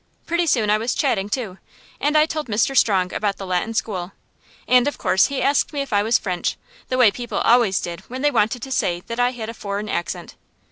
Pretty soon I was chatting, too, and I told Mr. Strong about the Latin School; and of course he asked me if I was French, the way people always did when they wanted to say that I had a foreign accent.